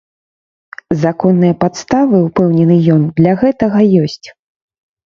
Законныя падставы, упэўнены ён, для гэтага ёсць.